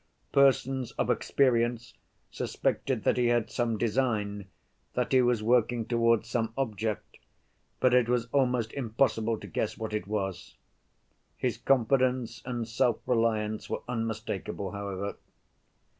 Persons of experience suspected that he had some design, that he was working towards some object, but it was almost impossible to guess what it was. His confidence and self‐reliance were unmistakable, however.